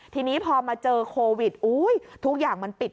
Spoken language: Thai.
ทีนี้พอมาเจอโควิดทุกอย่างมันปิด